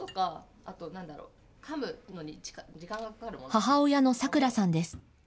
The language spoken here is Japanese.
母親のさくらさんです。